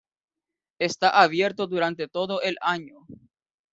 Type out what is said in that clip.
Está abierto durante todo el año.